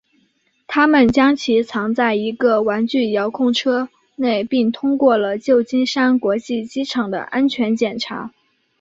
他们将其藏在一个玩具遥控车内并通过了旧金山国际机场的安全检查。